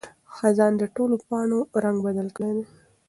خزان د ټولو پاڼو رنګ بدل کړی دی.